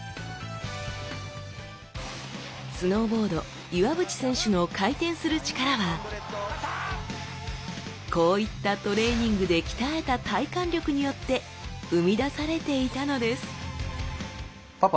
スノーボード岩渕選手の回転する力はこういったトレーニングで鍛えた体幹力によって生み出されていたのですパパ